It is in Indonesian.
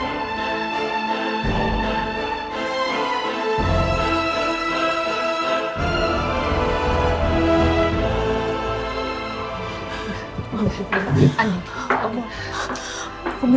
tapi mereka bahagia dengan game ini